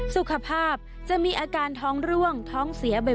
สุขภาพจะมีอาการท้องร่วงท้องเสียบ่อย